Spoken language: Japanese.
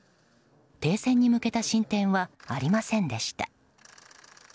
停戦に向けた進展はありませんでした。